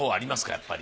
やっぱり。